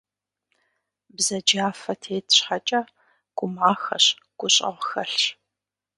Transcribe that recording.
Бзаджафэ тет щхьэкӏэ, гумахэщ, гущӏэгъу хьэлъщ.